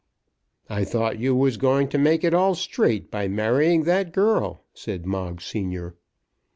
"I thought you was going to make it all straight by marrying that girl," said Moggs senior.